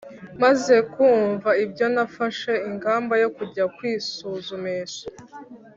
Maze kumva ibyo, nafashe ingamba yo kujya kwisuzumisha